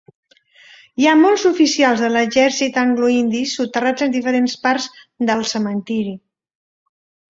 Hi ha molts oficials de l'exèrcit angloindi soterrats en diferents parts del cementiri.